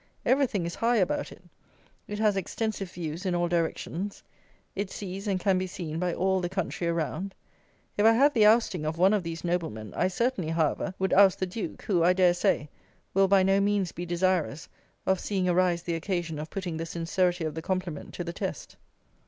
Everything is high about it; it has extensive views in all directions. It sees and can be seen by all the country around. If I had the ousting of one of these noblemen, I certainly, however, would oust the Duke, who, I dare say, will by no means be desirous of seeing arise the occasion of putting the sincerity of the compliment to the test.